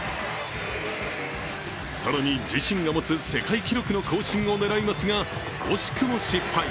更に自身が持つ世界記録の更新を狙いますが惜しくも失敗。